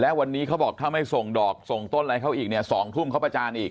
และวันนี้เขาบอกถ้าไม่ส่งดอกส่งต้นอะไรเขาอีกเนี่ย๒ทุ่มเขาประจานอีก